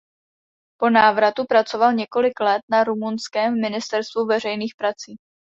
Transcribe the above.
Po návratu pracoval několik let na rumunském ministerstvu veřejných prací.